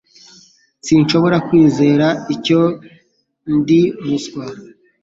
Sinshobora kwizera icyo ndi umuswa